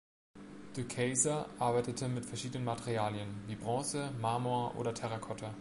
De Keyser arbeitete mit verschiedenen Materialien, wie Bronze, Marmor oder Terracotta.